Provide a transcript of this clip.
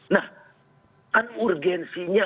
nah kan urgensinya